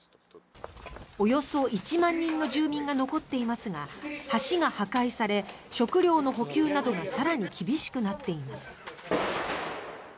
およそ１万人の住民が残っていますが橋が破壊され、食料の補給などが更に厳しくなっています。